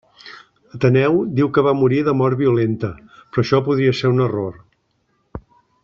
Ateneu diu que va morir de mort violenta, però això podria ser un error.